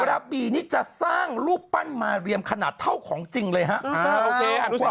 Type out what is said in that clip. กระบี่นี้จะสร้างรูปปั้นมาเรียมขนาดเท่าของจริงเลยฮะอ่าโอเคอันทุกศูนย์